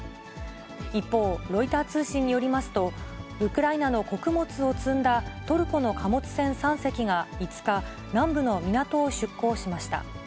一方、ロイター通信によりますと、ウクライナの穀物を積んだトルコの貨物船３隻が５日、南部の港を出港しました。